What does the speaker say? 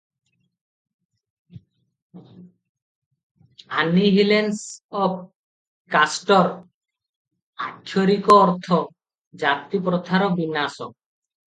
Annihilation of କାଷ୍ଟର ଆକ୍ଷରିକ ଅର୍ଥ ଜାତିପ୍ରଥାର ବିନାଶ ।